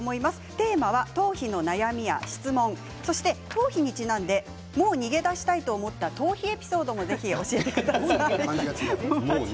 テーマは頭皮の悩みや質問頭皮にちなんでもう逃げ出したいと思った逃避エピソードも漢字が違う。